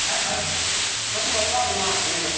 わしもおかわりもらっていいですか？